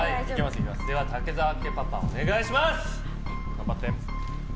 では武澤家パパ、お願いします！